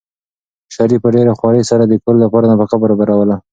شریف په ډېرې خوارۍ سره د کور لپاره نفقه برابروله.